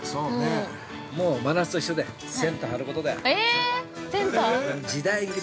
もう真夏と一緒だよ、センター張ることだよ。